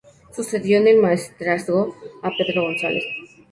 Sucedió en el Maestrazgo a Pedro González.